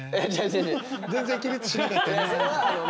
全然起立しなかったよね。